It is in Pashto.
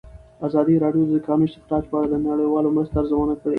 ازادي راډیو د د کانونو استخراج په اړه د نړیوالو مرستو ارزونه کړې.